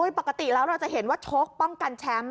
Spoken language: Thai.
ปกติแล้วเราจะเห็นว่าชกป้องกันแชมป์